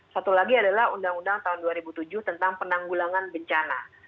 satu lagi adalah undang undang tahun dua ribu tujuh tentang penanggulangan bencana